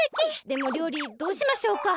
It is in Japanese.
でもりょうりどうしましょうか。